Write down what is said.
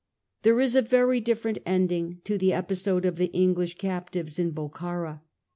There is a very different ending to the episode of the English captives in Bokhara.